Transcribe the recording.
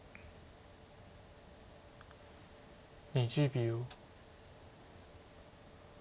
２０秒。